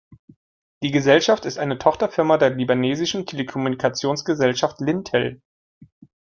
Die Gesellschaft ist eine Tochterfirma der libanesischen Telekommunikationsgesellschaft Lintel.